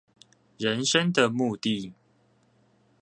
人生的目的